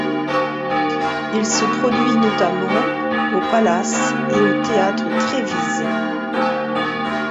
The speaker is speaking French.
Il se produit notamment au Palace et au Théâtre Trévise.